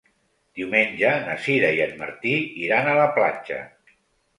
Diumenge na Sira i en Martí iran a la platja.